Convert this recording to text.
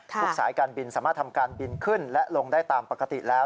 สายการบินสามารถทำการบินขึ้นและลงได้ตามปกติแล้ว